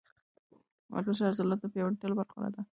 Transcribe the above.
ورزش د عضلاتو د پیاوړتیا لپاره غوره لاره ده.